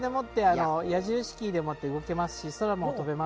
矢印キーで動けますし空も飛べます。